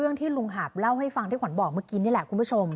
นี่แหล่ะคุณผู้ชม